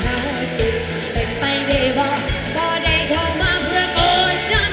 ขาดล้อมเป็นไปได้บอกก็ได้เข้ามาเพื่อกดดด